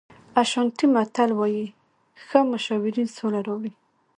اشانټي متل وایي ښه مشاورین سوله راوړي.